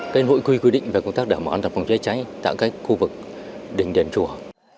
cái nội quy quy định về công tác đảm bảo an toàn phòng cháy cháy tại các khu vực đỉnh đền chùa